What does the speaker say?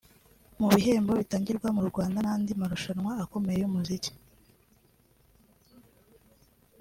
Mu bihembo bitangirwa mu Rwanda n’andi marushanwa akomeye y’umuziki